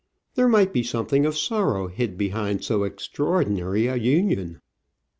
There might be some thing of sorrow hid behind so extraordinary a union !